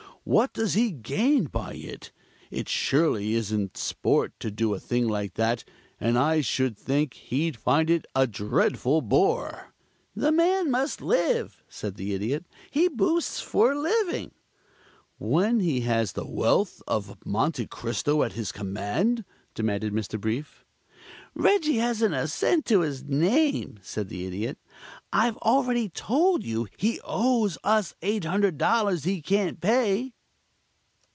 What does he gain by it? It surely isn't sport to do a thing like that, and I should think he'd find it a dreadful bore." "The man must live," said the Idiot. "He boosts for a living." "When he has the wealth of Monte Cristo at his command?" demanded Mr. Brief. "Reggie hasn't a cent to his name," said the Idiot. "I've already told you he owes us $800 he can't pay."